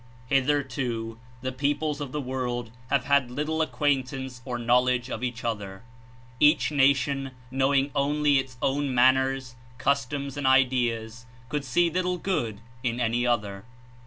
Hitherto the peoples of the world have had little acquaintance or knowledge of each other. Each na tion, knowing only its own manners, customs and ideas, could see little good in any other.